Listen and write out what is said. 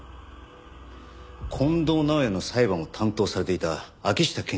近藤直也の裁判を担当されていた秋下検事ですよね？